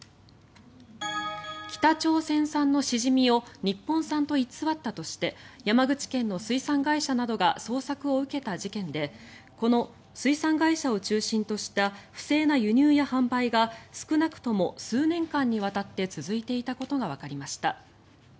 北朝鮮産のシジミを日本産と偽ったとして山口県の水産会社などが捜索を受けた事件でこの水産会社を中心とした不正な輸入や販売が少なくとも数年間にわたって続いていたことがわかりました。